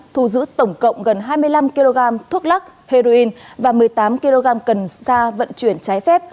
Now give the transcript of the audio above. thu giữ tổng cộng gần hai mươi năm kg thuốc lắc heroin và một mươi tám kg cần sa vận chuyển trái phép